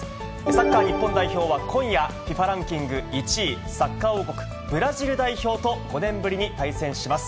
サッカー日本代表は今夜、ＦＩＦＡランキング１位、サッカー王国、ブラジル代表と５年ぶりに対戦します。